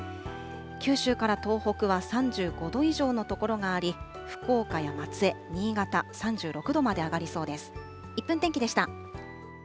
九州から東北は３５度以上の所があり、福岡や松江、新潟、３６度まで上がりそうです。